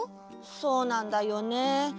そうなんだよね